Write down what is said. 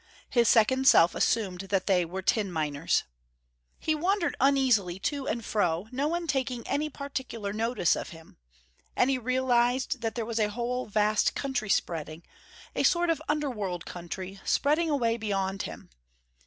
His second self assumed that they were tin miners. He wandered uneasily to and fro, no one taking any particular notice of him. And he realized that there was a whole vast country spreading, a sort of underworld country, spreading away beyond him.